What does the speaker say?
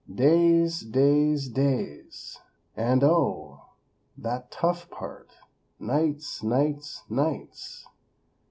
Days; days; days! And, oh! that tough part, nights, nights, nights!